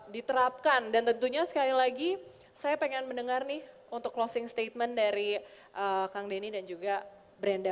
diterapkan dan tentunya sekali lagi saya pengen mendengar nih untuk closing statement dari kang denny dan juga brenda